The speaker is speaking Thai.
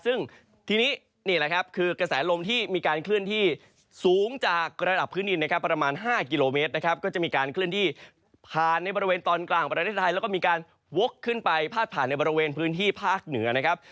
ซึ่งทีนี้นี่แหละครับคือกระแสลมที่มีการเคลื่อนที่สูงจากระดับพื้นดินนะครับประมาณ๕กิโลเมตรนะครับก็จะมีการเคลื่อนที่ผ่านในบริเวณตอนกลางประเทศไทยแล้วก็มีการวกขึ้นไปพาดผ่านในบริเวณพื้นที่ภาคเหนือนะครับ